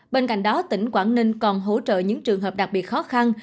bên cạnh đó tỉnh quảng ninh còn hỗ trợ những trường hợp đặc biệt khó khăn